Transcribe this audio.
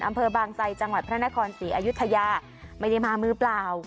อำเภอบางไซจังหวัดพระนครศรีอยุธยาไม่ได้มามือเปล่า